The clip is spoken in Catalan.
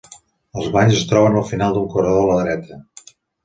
Els banys es troben al final d'un corredor a la dreta.